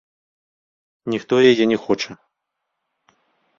Ніхто яе не хоча.